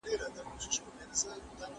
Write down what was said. میلمه ستاسو اخلاقو ته ګوري نه دسترخوان ته.